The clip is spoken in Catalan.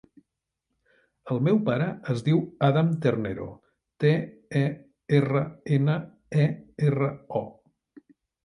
El meu pare es diu Adam Ternero: te, e, erra, ena, e, erra, o.